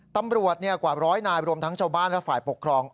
ตำรวจกว่าร้อยนายรวมทั้งชาวบ้านและฝ่ายปกครอง